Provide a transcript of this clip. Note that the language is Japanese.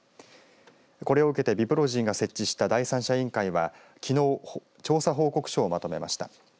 これを受けてＢＩＰＲＯＧＹが設置した第三者委員会はきのう調査報告書をまとめました。